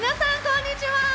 こんにちは！